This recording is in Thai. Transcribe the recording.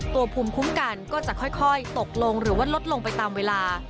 ภูมิคุ้มกันก็จะค่อยตกลงหรือว่าลดลงไปตามเวลา